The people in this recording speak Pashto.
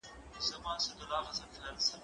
زه هره ورځ کار کوم؟